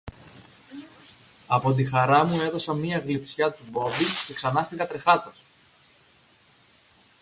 Από τη χαρά μου έδωσα μια γλειψιά του Μπόμπη και ξανάφυγα τρεχάτος.